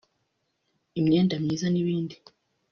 imyenda myiza n’ibindi